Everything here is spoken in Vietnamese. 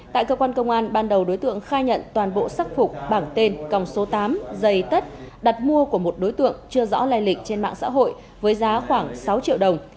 tại cơ quan công an ban đầu đối tượng khai nhận toàn bộ sắc phục bảng tên còng số tám dây tất đặt mua của một đối tượng chưa rõ lai lịch trên mạng xã hội với giá khoảng sáu triệu đồng